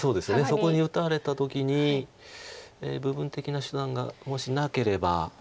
そこに打たれた時に部分的な手段がもしなければ。